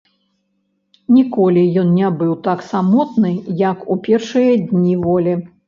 Ніколі ён не быў так самотны, як у першыя дні волі.